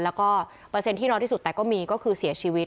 แล้วก็เปอร์เซ็นต์ที่น้อยที่สุดแต่ก็มีก็คือเสียชีวิต